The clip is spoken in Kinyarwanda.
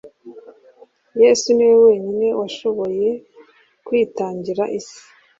yesu niwe wenyine washoboye kwitangira isi